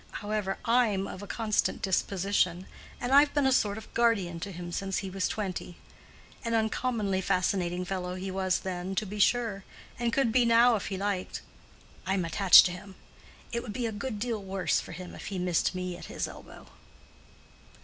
However, I'm of a constant disposition, and I've been a sort of guardian to him since he was twenty; an uncommonly fascinating fellow he was then, to be sure—and could be now, if he liked. I'm attached to him; and it would be a good deal worse for him if he missed me at his elbow."